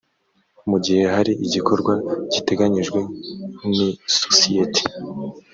mu gihe hari igikorwa giteganyijwe n isosiyete